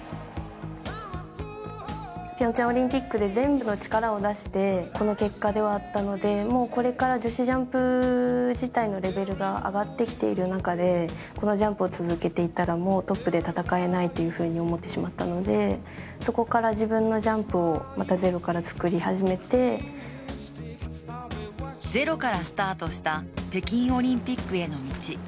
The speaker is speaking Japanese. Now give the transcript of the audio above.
ピョンチャンオリンピックで全部の力を出して、この結果ではあったのでもうこれから女子ジャンプ自体のレベルが上がってきている中で、このジャンプを続けていたらもうトップで戦えないというふうに思ってしまったので、そこから自分のジャンプをまたゼロから作り始めてゼロからスタートした北京オリンピックへの道